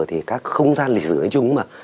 thì các không gian lịch sử nói chung mà